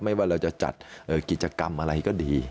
ว่าเราจะจัดกิจกรรมอะไรก็ดี